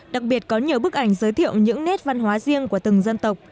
đặc biệt có nhiều bức ảnh giới thiệu những nét văn hóa riêng của từng dân tộc